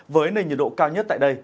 với nền nhiệt độ cao nhất tại đây